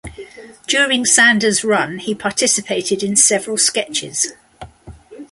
During Sanders' run, he participated in several sketches.